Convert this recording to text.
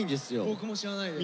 僕も知らないです。